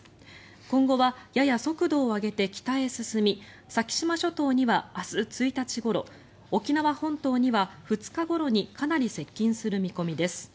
今後はやや速度を上げて北へ進み先島諸島には明日１日ごろ沖縄本島には２日ごろにかなり接近する見込みです。